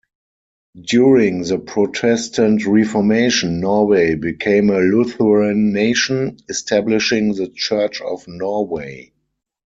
During the Protestant Reformation, Norway became a Lutheran nation, establishing the Church of Norway.